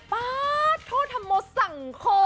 ปะศโทษมสังคม